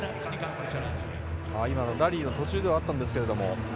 今のラリーの途中ではあったんですが。